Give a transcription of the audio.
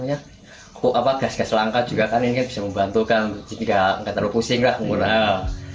banyak kok apa gas langka juga kan ini bisa membantukan tidak terlalu pusing lah mengurang